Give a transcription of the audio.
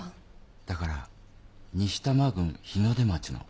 だから西多摩郡日の出町の。